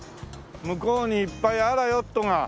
向こうにいっぱい「あらヨット」がほら。